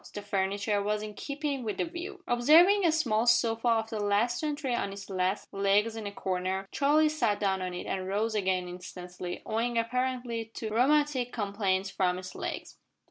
The furniture was in keeping with the view. Observing a small sofa of the last century on its last legs in a corner, Charlie sat down on it and rose again instantly, owing apparently to rheumatic complaints from its legs.